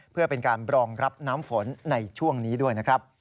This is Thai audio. เพื่อเป็นการรองรับน้ำฝนในช่วงนี้ด้วยนะครับ